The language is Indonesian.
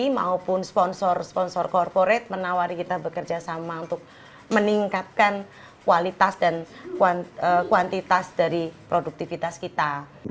maupun sponsor sponsor korporat menawari kita bekerja sama untuk meningkatkan kualitas dan kuantitas dari produktivitas kita